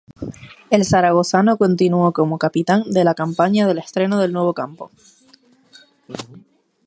El zaragozano continúo como capitán de la campaña del estreno del nuevo campo.